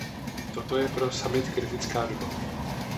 Toto je pro summit kritická doba.